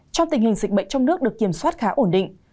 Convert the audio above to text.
trong tình hình dịch bệnh trong nước được kiểm soát khá ổn định